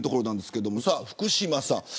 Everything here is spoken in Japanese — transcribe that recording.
福島さん